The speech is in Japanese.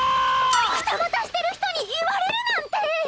二股してる人に言われるなんて！